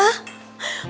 eeeh aden mau balapan ya